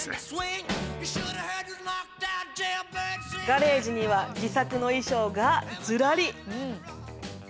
ガレージには自作の衣装がずらり。